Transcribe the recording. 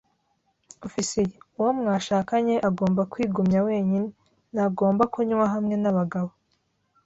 ofisiye. Uwo mwashakanye agomba kwigumya wenyine - ntagomba kunywa hamwe nabagabo